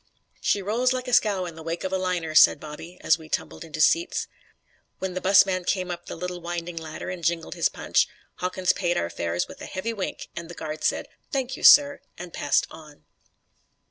"She rolls like a scow in the wake of a liner," said Bobby, as we tumbled into seats. When the bus man came up the little winding ladder and jingled his punch, Hawkins paid our fares with a heavy wink, and the guard said, "Thank you, sir," and passed on.